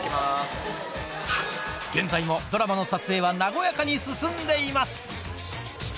現在もドラマの撮影は和やかに進んでいます